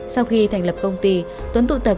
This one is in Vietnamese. sau khi thành lập công ty tuấn tụ tập